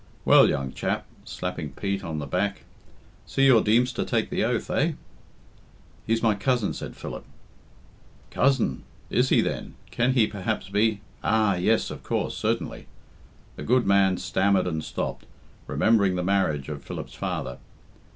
Well, young chap," slapping Pete on the back, "see your Deemster take the oath, eh?" "He's my cousin," said Philip. "Cousin! Is he, then can he perhaps be Ah! yes, of course, certainly " The good man stammered and stopped, remembering the marriage of Philip's father.